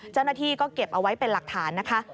เจ้าหน้าที่ก็เก็บเอาไว้เป็นหลักฐานนะคะ